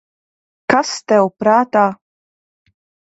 Kas tev prātā?